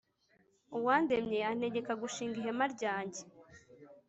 uwandemye antegeka gushinga ihema ryanjye